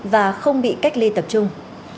và không bị cách ly tập trung